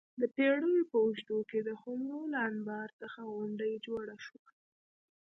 د پېړیو په اوږدو کې د خُمرو له انبار څخه غونډۍ جوړه شوه